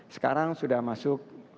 sekarang sudah masuk